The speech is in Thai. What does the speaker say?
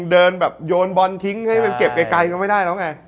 เดินแบบโยนบอลทิ้งให้มันเก็บไกลก็ไม่ได้แล้วไง